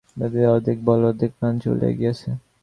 উদয়াদিত্যের অর্ধেক বল, অর্ধেক প্রাণ চলিয়া গিয়াছে।